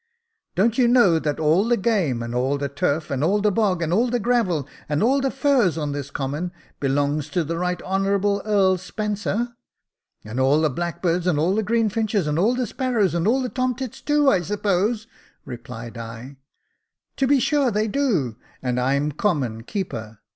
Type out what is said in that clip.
" Don't you know that all the game, and all the turf, and all the bog, and all the gravel, and all the furze on this common, belong to the Right Honourable Earl Spencer ?"And all the blackbirds, and all the greenfinches, and all the sparrows, and all the tomtits too, I suppose ?" replied I. •* To be sure they do — and I'm common keeper.